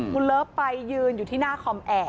คุณเลิฟไปยืนอยู่ที่หน้าคอมแอร์